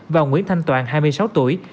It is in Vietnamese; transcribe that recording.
và nguyễn thanh toàn hai mươi sáu tuổi